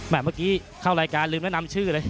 เมื่อกี้เข้ารายการลืมแล้วนำชื่อเลย